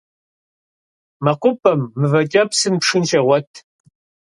МэкъупӀэм мывэкӀэпысым шхын щегъуэт.